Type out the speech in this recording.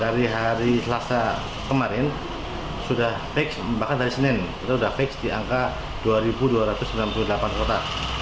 dari hari selasa kemarin sudah fix bahkan dari senin kita sudah fix di angka dua dua ratus sembilan puluh delapan kota